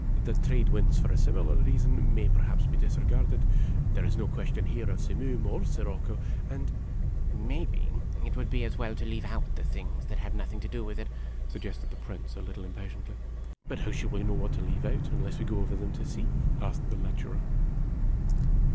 The trade winds for a similar reason may perhaps be disregarded. There is no question here of simoom or sirocco, and "" Maybe it would be as well to leave out the things that have nothing to do with it," suggested the Prince, a little impatiently. " But how shall we know what to leave out unless we go over them to see ?" asked the lecturer.